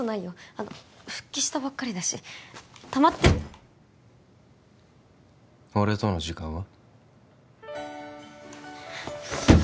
あの復帰したばっかりだしたまって俺との時間は？